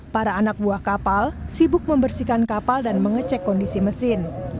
para anak buah kapal sibuk membersihkan kapal dan mengecek kondisi mesin